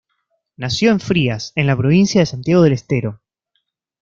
Nació en Frías, en la provincia de Santiago del Estero.